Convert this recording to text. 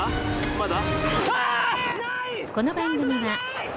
まだ？